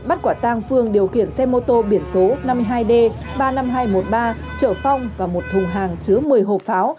bắt quả tang phương điều khiển xe mô tô biển số năm mươi hai d ba mươi năm nghìn hai trăm một mươi ba trở phong và một thùng hàng chứa một mươi hộp pháo